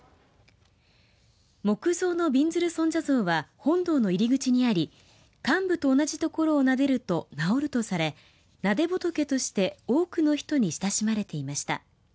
木像のびんずる尊者像は本堂の入り口にあり患部と同じところをなでると治るとされなで仏として多くの人に親しまれていました。